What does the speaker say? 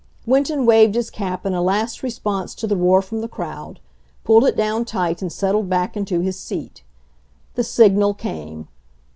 Winton waved his cap in a last response to the roar from the crowd, pulled it down tight and settled back into his seat. The signal came.